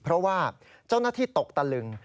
เพราะว่าเจ้าหน้าที่ตกตะลึง